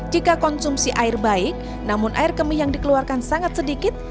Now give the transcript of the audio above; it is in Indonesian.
jika konsumsi air baik namun air kemih yang dikeluarkan sangat sedikit